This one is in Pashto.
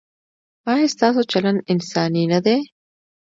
ایا ستاسو چلند انساني نه دی؟